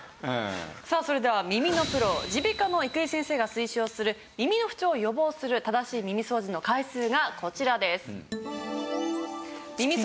さあそれでは耳のプロ耳鼻科の生井先生が推奨する耳の不調を予防する正しい耳掃除の回数がこちらです。